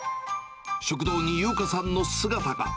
食堂に優花さんの姿が。